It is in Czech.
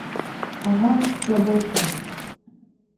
Aha, z klobouku.